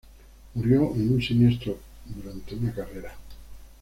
Murió en un siniestro durante una carrera.